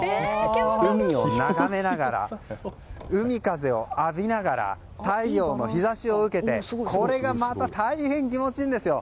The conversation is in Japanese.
海を眺めながら海風を浴びながら太陽の日差しを受けてこれが大変気持ちいいんですよ。